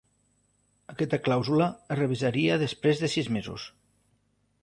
Aquesta clàusula es revisaria després de sis mesos.